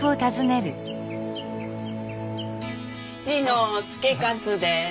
父の祐勝です。